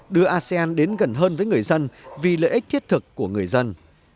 đưa asean đến gần hơn với người dân vì lợi ích thiết thực của người dân